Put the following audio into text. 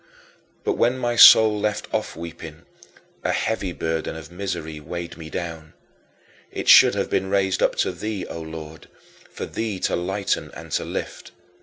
But when my soul left off weeping, a heavy burden of misery weighed me down. It should have been raised up to thee, O Lord, for thee to lighten and to lift.